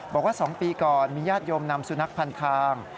บอกว่า๒ปีก่อนมีญาติโยมนำสุนัขพันทาง